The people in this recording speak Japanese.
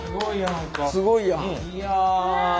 すごいやんか。